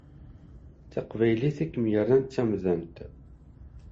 D taqbaylit i kem-yerran d tamdant.